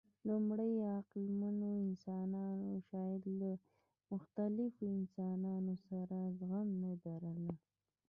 لومړنیو عقلمنو انسانانو شاید له مختلفو انسانانو سره زغم نه درلود.